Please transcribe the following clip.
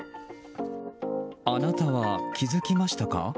あなたは気づきましたか？